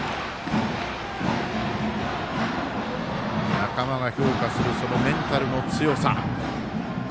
仲間が評価するそのメンタルの強さ。